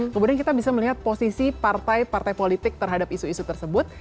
kemudian kita bisa melihat posisi partai partai politik terhadap isu isu tersebut